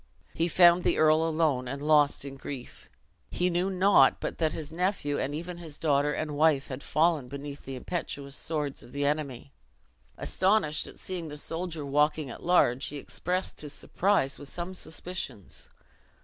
He found the earl alone, and lost in grief. He knew not but that his nephew, and even his daughter and wife, had fallen beneath the impetuous swords of the enemy. Astonished at seeing the soldier walking at large, he expressed his surprise with some suspicions.